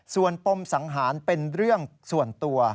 ส่วนปมสังหารเป็นเรื่องส่วนตัว